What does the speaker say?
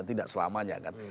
tidak selamanya kan